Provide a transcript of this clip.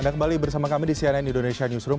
anda kembali bersama kami di cnn indonesia newsroom